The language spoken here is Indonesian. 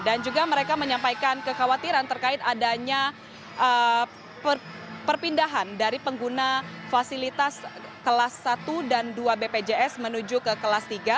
juga mereka menyampaikan kekhawatiran terkait adanya perpindahan dari pengguna fasilitas kelas satu dan dua bpjs menuju ke kelas tiga